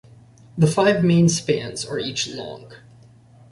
The five main spans are each long.